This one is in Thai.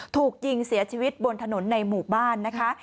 ถูกยิงเสียชีวิตบนถนนในหมู่บ้านนะคะ